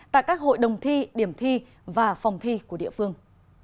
tại các hội đồng thi điểm thi và phòng thi của địa phương